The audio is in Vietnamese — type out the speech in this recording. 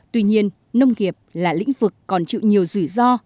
tuy nhiên nông nghiệp là lĩnh vực còn chịu nhiều rủi ro